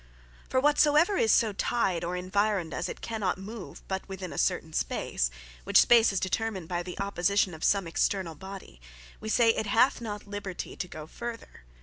For whatsoever is so tyed, or environed, as it cannot move, but within a certain space, which space is determined by the opposition of some externall body, we say it hath not Liberty to go further.